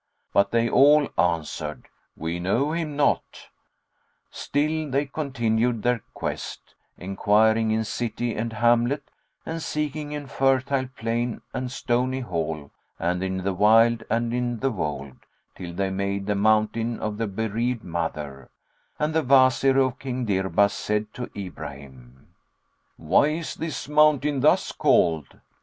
But they all answered, "We know him not." Still they continued their quest, enquiring in city and hamlet and seeking in fertile plain and stony hall and in the wild and in the wold, till they made the Mountain of the Bereaved Mother; and the Wazir of King Dirbas said to Ibrahim, "Why is this mountain thus called?"